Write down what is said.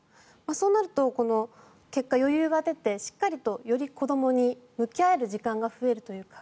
そうなると、結果、余裕が出てしっかりとより子どもに向き合える時間が増えるというか。